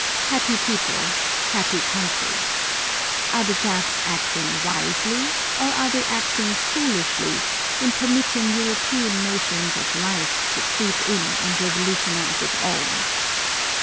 Happy people! happy country. Are the Japs acting wisely or are they acting foolishly in permitting European notions of life to creep in and revolutionize it all.